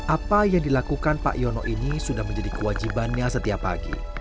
apa yang dilakukan pak yono ini sudah menjadi kewajibannya setiap pagi